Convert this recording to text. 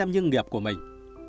như nghiệp của mình